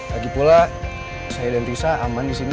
lagipula saya dan risa aman disini